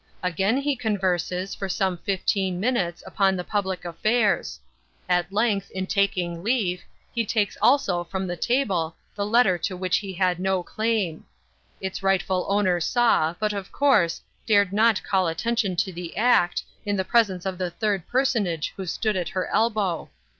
Again he converses, for some fifteen minutes, upon the public affairs. At length, in taking leave, he takes also from the table the letter to which he had no claim. Its rightful owner saw, but, of course, dared not call attention to the act, in the presence of the third personage who stood at her elbow.